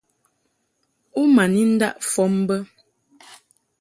U ma ni ndaʼ fɔm bə.